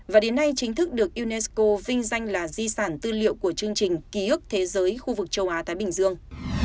và đến nay chính thức được unesco vinh danh là di sản tư liệu của chương trình ký ức thế giới khu vực châu á thái bình dương